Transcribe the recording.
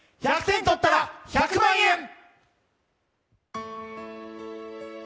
１００点とったら１００万円！